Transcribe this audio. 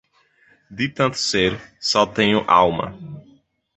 De tanto ser, só tenho alma.